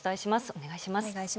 お願いします。